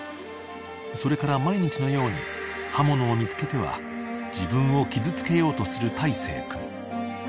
［それから毎日のように刃物を見つけては自分を傷つけようとする大生君］